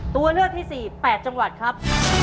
ตัวเลือกที่๔๘จังหวัดครับ